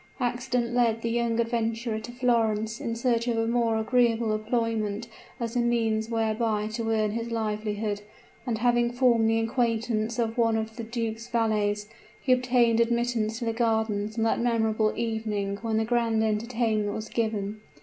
Accident led the young adventurer to Florence in search of a more agreeable employment as a means whereby to earn his livelihood, and having formed the acquaintance of one of the duke's valets, he obtained admittance to the gardens on that memorable evening when the grand entertainment was given.